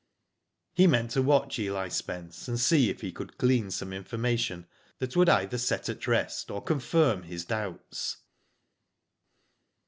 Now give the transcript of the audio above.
He meant to watch EH Spence, and see if he could glean some information that would either set at rest, or confirm his doubts.